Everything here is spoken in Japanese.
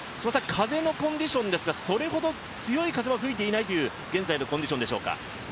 風のコンディションですが、それほど強い風は吹いていないという現在のコンディションでしょうか。